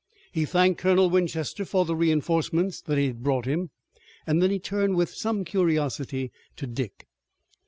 He thanked Colonel Winchester for the reinforcement that he had brought him, and then turned with some curiosity to Dick.